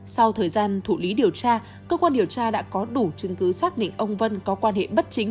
sau thời gian thủ lý điều tra cơ quan điều tra đã có đủ chứng cứ xác định ông vân có quan hệ bất chính